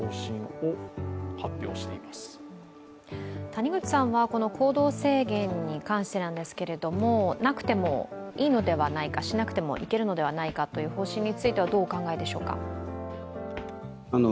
谷口さんは行動制限に関してなくてもいいのではないか、しなくてもいけるのではないかという方針については、どうお考えでしょうか？